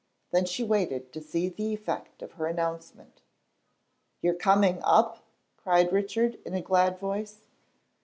Then she waited to see the effect of her announcement. "You're coming up?" cried Richard, in a glad voice.